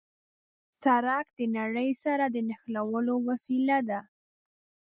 سړک د نړۍ سره د نښلولو وسیله ده.